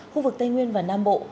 khu vực tây nguyên và nam bộ